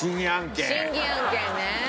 審議案件ね。